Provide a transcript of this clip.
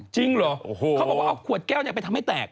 จริงเหรอเขาบอกว่าเอาขวดแก้วไปทำให้แตก